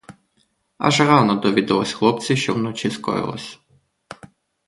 Аж рано довідались хлопці, що вночі скоїлось.